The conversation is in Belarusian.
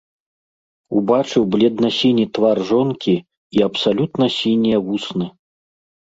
Убачыў бледна-сіні твар жонкі і абсалютна сінія вусны.